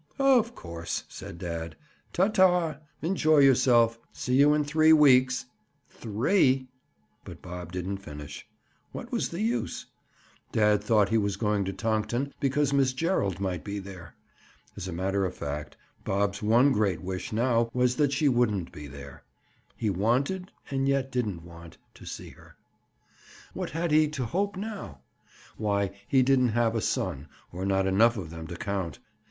"Of course," said dad. "Ta! ta! Enjoy yourself. See you in three weeks." "Three—!" But Bob didn't finish. What was the use? Dad thought he was going to Tonkton because Miss Gerald might be there. As a matter of fact Bob's one great wish now was that she wouldn't be there. He wanted, and yet didn't want, to see her. What had he to hope now? Why, he didn't have a son, or not enough of them to count.